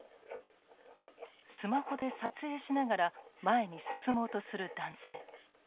スマホで撮影しながら前に進もうとする男性。